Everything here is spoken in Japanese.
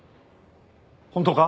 本当か？